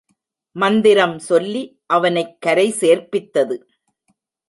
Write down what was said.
மந்திரம் சொல்லி அவனைக் கரை சேர்ப்பித்தது.